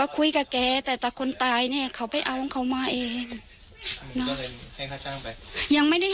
คุยกับแกหน่อยแต่คนตายเขาเอาเงินมาอีก